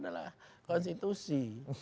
itu adalah konstitusi